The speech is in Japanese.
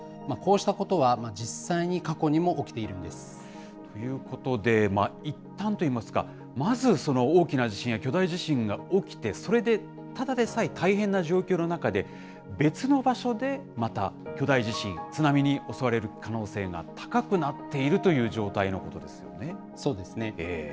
こうしたことは実際に過去にも起きているんです。ということで、いったんといいますか、まず大きな地震や巨大地震が起きて、それでただでさえ大変な状況の中で、別の場所でまた巨大地震、津波に襲われる可能性が高くなっているという状態のそうですね。